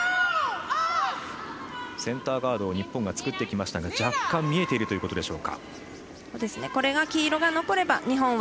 センターガードを日本が作ってきましたが若干、見えているということでしょうか。